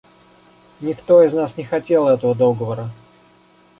Никто из нас не хотел этого договора.